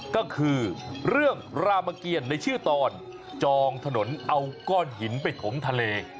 ก็คือเรื่องรามเกียรในชื่อตอนจองถนนเอาก้อนหินไปถมทะเล